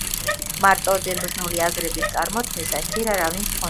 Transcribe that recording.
მარტოოდენ ბრძნული აზრების წარმოთქმისაგან ჯერ არავინ ცხონებულა.